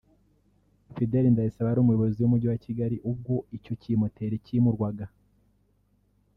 Fidèle Ndayisaba wari Umuyobozi w’Umujyi wa Kigali ubwo icyo kimoteri kimurwaga